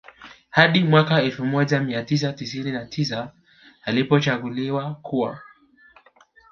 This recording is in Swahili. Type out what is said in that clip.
Hadi mwaka elfu moja mia tisa tisini na tisa alipochaguliwa kuwa